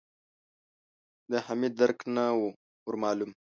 د حميد درک نه و ور مالوم.